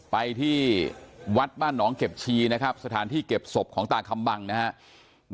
ไปที่วัดบ้านหนองเก็บชีนะครับสถานที่เก็บศพของตาคำบังนะครับ